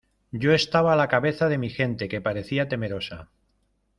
yo estaba a la cabeza de mi gente, que parecía temerosa